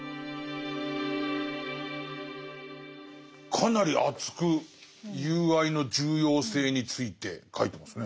かなり熱く友愛の重要性について書いてますね。